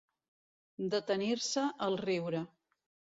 Detenir-se el riure.